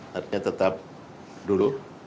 harapnya tetap dulu